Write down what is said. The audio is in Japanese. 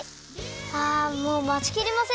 あもうまちきれません。